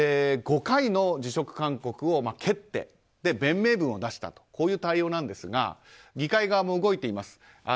５回の辞職勧告を蹴って弁明文を出したという対応なんですが議会側も動いています。